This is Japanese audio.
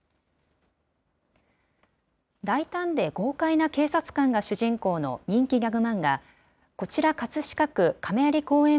大胆で豪快な警察官が主人公の人気ギャグ漫画、こちら葛飾区亀有公園